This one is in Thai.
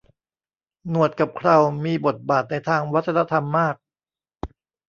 หนวดกับเครามีบทบาทในทางวัฒนธรรมมาก